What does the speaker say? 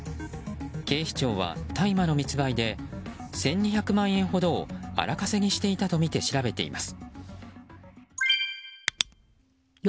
警視庁は大麻の密売で１２００万円ほどを荒稼ぎしていたとみて調べています。